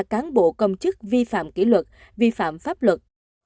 cán bộ công chức vi phạm kỷ luật vi phạm pháp luật